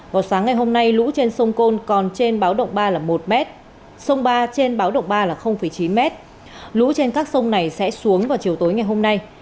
vào sáng ngày hôm nay lũ trên sông côn còn trên báo động ba là một m sông ba trên báo động ba là chín m lũ trên các sông này sẽ xuống vào chiều tối ngày hôm nay